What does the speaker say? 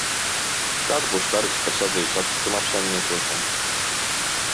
Kāds būs tarifs par sadzīves atkritumu apsaimniekošanu?